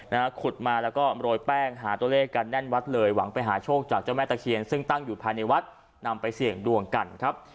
นะฮะขุดมาแล้วก็โรยแป้งหาตัวเลขกันแน่นวัดเลยหวังไปหาโชคจากเจ้าแม่ตะเคียนซึ่งตั้งอยู่ภายในวัดนำไปเสี่ยงดวงกันครับ